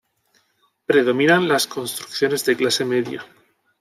Predominan las construcciones de clase media.